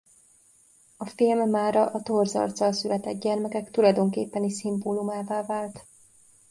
A film mára a torz arccal született gyermekek tulajdonképpeni szimbólumává vált.